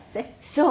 そう。